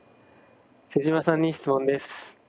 妹島さんに質問です。